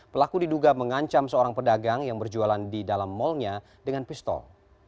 pelaku diduga mengancam seorang pedagang yang berjualan di dalam malnya dengan pistol